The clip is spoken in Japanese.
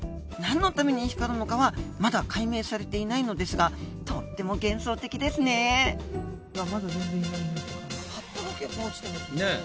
なんのために光るのかはまだ解明されていないのですがとっても幻想的ですねまだ全然いないね。